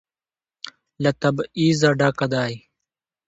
له تبعيضه ډک دى.